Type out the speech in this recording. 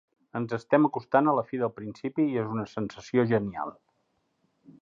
Ens estem acostant a la fi del principi, i és una sensació genial!